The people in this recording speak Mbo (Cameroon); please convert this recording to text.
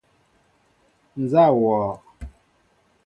Nzá wɔɔ ?